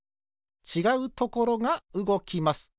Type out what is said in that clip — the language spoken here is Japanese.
ちがうところがうごきます。